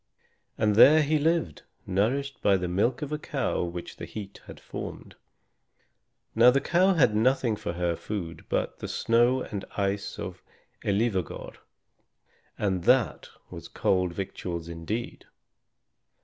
And there he lived, nourished by the milk of a cow which the heat had formed. Now the cow had nothing for her food but the snow and ice of Elivâgar, and that was cold victuals indeed!